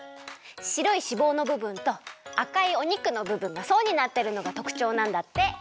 しろいしぼうのぶぶんとあかいお肉のぶぶんがそうになってるのがとくちょうなんだって。